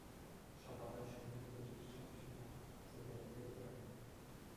Ҫӑпата ҫумне пылчӑк ҫыпҫӑнать, сӗтӗрӗнсе пырать.